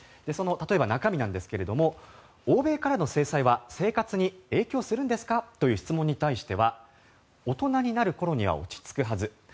その中身なんですけれども欧米からの制裁は生活に影響するんですかという質問に対しては大人になるころには落ち着くはず。